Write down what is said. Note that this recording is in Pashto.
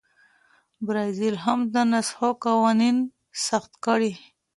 برازیل هم د نسخو قوانین سخت کړي.